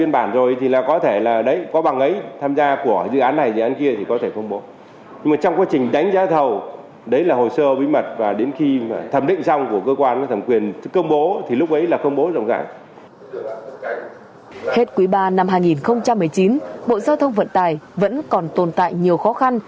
bộ giao thông vận tải vẫn còn tồn tại nhiều khó khăn